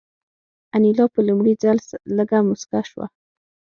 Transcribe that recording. انیلا په لومړي ځل لږه موسکه شوه